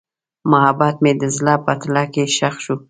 محبت مې د زړه په تله کې ښخ شو.